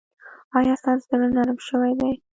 ایا ستاسو زړه نرم شوی دی؟